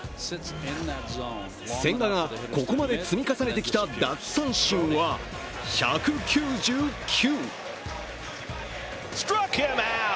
千賀がここまで積み重ねてきた奪三振は１９９。